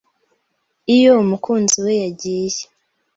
Iyo Umukunzi we yagiye